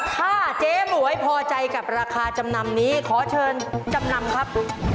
ถ้าเจ๊หมวยพอใจกับราคาจำนำนี้ขอเชิญจำนำครับ